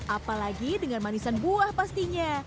apalagi dengan manisan buah pastinya